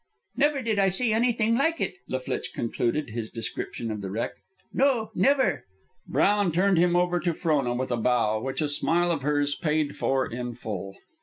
"Never did I see anything like it," La Flitche concluded his description of the wreck. "No, never." Brown turned him over to Frona with a bow, which a smile of hers paid for in full.